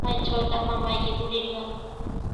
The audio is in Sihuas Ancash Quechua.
¿Maytrawtaq mamayki yurirqan?